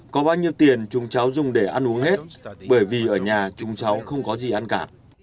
có bao nhiêu tiền chúng cháu dùng để ăn uống hết bởi vì ở nhà chúng cháu không có gì ăn cả